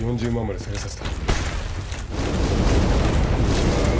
用意しといてくれ。